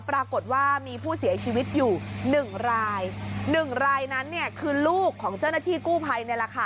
ปรากฏว่ามีผู้เสียชีวิตอยู่๑ราย๑รายนั้นคือลูกของเจ้าหน้าที่กู้ไฟนี่แหละค่ะ